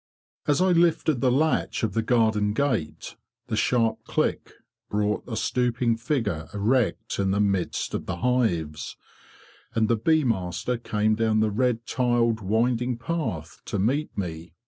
As I lifted the latch of the garden gate, the sharp click brought a stooping figure erect in the midst of the hives; and the bee master came down the red tiled winding path to meet me.